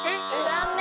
残念！